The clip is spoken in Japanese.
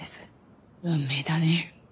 運命だねえ。